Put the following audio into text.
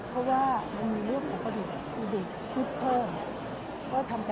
เพราะว่ามีวิดิวสุดเพิ่ม